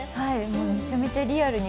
めちゃめちゃリアルに。